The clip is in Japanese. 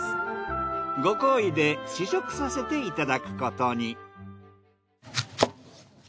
ご厚意で試食させていただくことに。